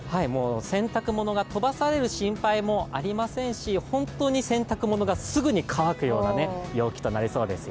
洗濯物が飛ばされる心配もありませんし本当に洗濯物がすぐに乾くような陽気となりそうですよ。